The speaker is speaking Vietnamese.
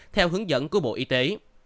theo hướng dẫn của bộ y tế